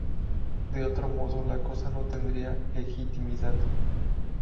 De otro modo la cosa no tendría legitimidad...